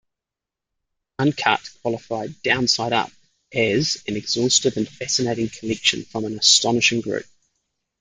"Uncut" qualified "Downside Up" as "an exhaustive and fascinating collection from an astonishing group".